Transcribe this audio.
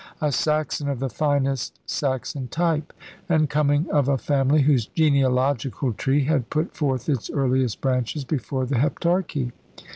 A Saxon of the finest Saxon type, and coming of a family whose genealogical tree had put forth its earliest branches before the Heptarchy.